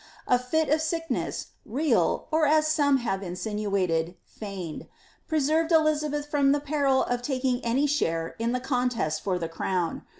A fit of sickness, real, or, as some liave insinuated, feigned, preserved Elizabeth from the peril of taking any share in the contest for the crown.